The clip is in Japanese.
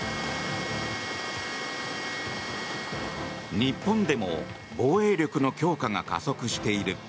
日本でも防衛力の強化が加速している。